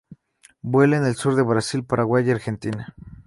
Vuela en el sur de Brasil, Paraguay y Argentina.